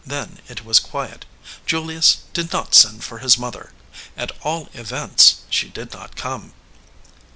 Then it was quiet. Julius did not send for his mother. At all events, she did not come.